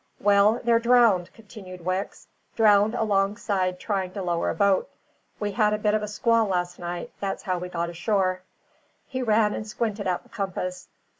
"Well, they're drowned," continued Wicks; "drowned alongside trying to lower a boat. We had a bit of a squall last night: that's how we got ashore." He ran and squinted at the compass.